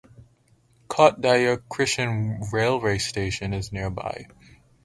Kot Daya Kishen railway station is nearby.